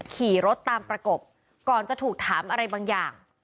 ขี่รถตามประกบก่อนจะถูกถามอะไรบางอย่าง